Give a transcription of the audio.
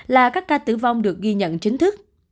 là các ca tử vong được ghi nhận chính thức